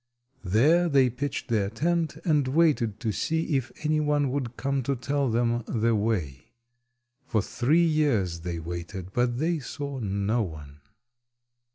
There they pitched their tent, and waited to see if any one would come to tell them the way. For three years they waited, but they saw no one.